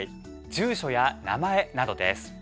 住所や名前などです。